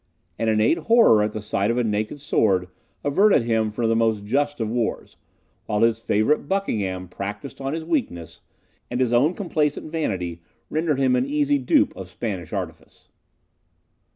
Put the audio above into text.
An innate horror at the sight of a naked sword averted him from the most just of wars; while his favourite Buckingham practised on his weakness, and his own complacent vanity rendered him an easy dupe of Spanish artifice.